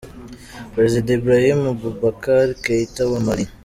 Perezida Ibrahim Boubacar Keïta wa Mali.